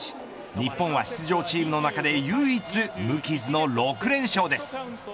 日本は出場チームの中で唯一無傷の６連勝です。